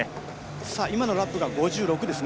今のラップが５６ですね。